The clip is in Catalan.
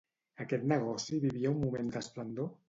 Aquest negoci vivia un moment d'esplendor?